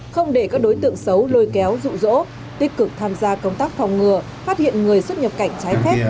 không để các đối tượng xấu lôi kéo rụ rỗ tích cực tham gia công tác phòng ngừa phát hiện người xuất nhập cảnh trái phép